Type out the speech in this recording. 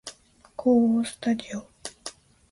構法スタジオ